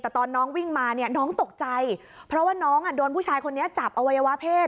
แต่ตอนน้องวิ่งมาเนี่ยน้องตกใจเพราะว่าน้องโดนผู้ชายคนนี้จับอวัยวะเพศ